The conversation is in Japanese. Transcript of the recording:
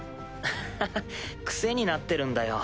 ハハハ癖になってるんだよ。